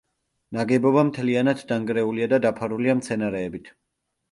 ნაგებობა მთლიანად დანგრეულია და დაფარულია მცენარეებით.